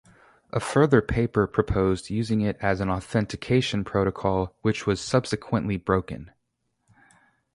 A further paper proposed using it as an authentication protocol, which was subsequently broken.